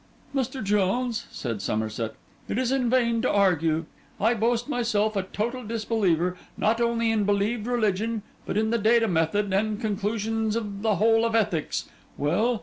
'Mr. Jones,' said Somerset, 'it is in vain to argue. I boast myself a total disbeliever, not only in revealed religion, but in the data, method, and conclusions of the whole of ethics. Well!